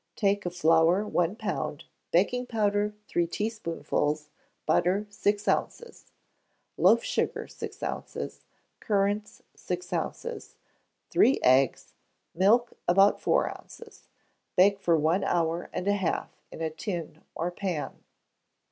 Take of flour one pound; baking powder, three teaspoonfuls; butter, six ounces; loaf sugar, six ounces; currants, six ounces; three eggs; milk, about four ounces; bake for one hour and a half in a tin or pan.